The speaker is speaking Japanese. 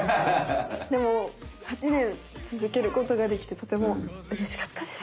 でも８ねんつづけることができてとてもうれしかったです。